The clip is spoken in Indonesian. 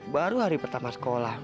baru hari pertama sekolah